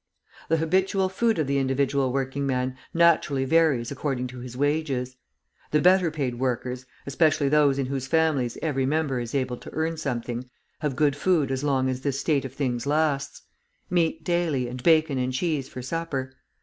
The habitual food of the individual working man naturally varies according to his wages. The better paid workers, especially those in whose families every member is able to earn something, have good food as long as this state of things lasts; meat daily, and bacon and cheese for supper.